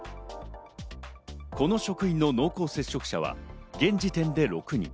この職員の濃厚接触者は現時点で６人。